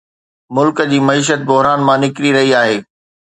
ملڪ جي معيشت بحران مان نڪري رهي آهي